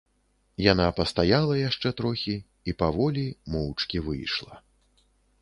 Яна пастаяла яшчэ трохі і паволі, моўчкі выйшла.